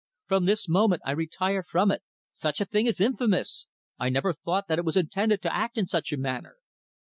From this moment I retire from it. Such a thing is infamous! I never thought that it was intended to act in such a manner.'